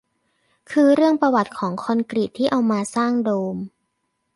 คือเรื่องประวัติของคอนกรีตที่เอามาสร้างโดม